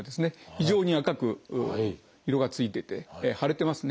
非常に赤く色がついてて腫れてますね。